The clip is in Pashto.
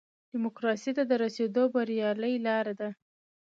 ډیموکراسۍ ته د رسېدو بریالۍ لاره ده.